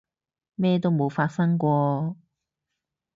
咩都冇發生過